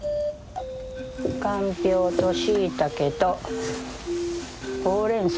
かんぴょうとしいたけとほうれんそう。